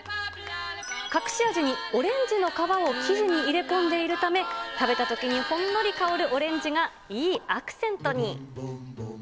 隠し味にオレンジの皮を生地に入れ込んでいるため、食べたときにほんのり香るオレンジがいいアクセントに。